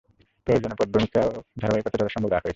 প্রয়োজনীয় পটভূমিকা ও ধারাবাহিকতা যথাসম্ভব রাখা হইয়াছে।